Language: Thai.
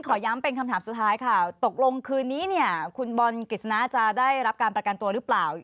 ขอย้ำเป็นคำถามสุดท้ายค่ะตกลงคืนนี้เนี่ยคุณบอลกฤษณะจะได้รับการประกันตัวหรือเปล่า